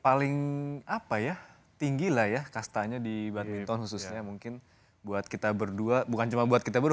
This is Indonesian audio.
paling apa ya tinggi lah ya kastanya di badminton khususnya mungkin buat kita berdua bukan cuma buat kita berdua